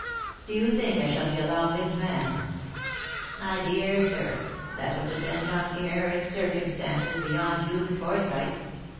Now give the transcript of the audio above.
'' Do you think I shall be a long lived man ?"*' My dear sir, that'll depend on care and cir cumstances beyond human foresight.